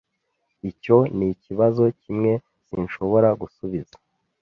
Icyo nikibazo kimwe sinshobora gusubiza.